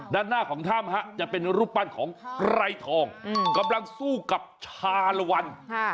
ด้านหน้าของถ้ำจะเป็นรูปปั้นของไกรทองกำลังสู้กับชาลวัน